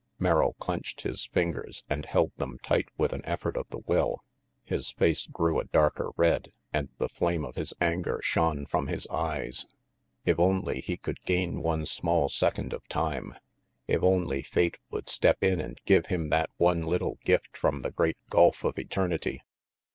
Merrill clenched his fingers and held them tight with an effort of the will. His face grew a darker red and the flame of his anger shone from his eyes. 260 RANGY PETE If only he could gain one small second of time. If only Fate would step in and give him that one little gift from the great gulf of eternity.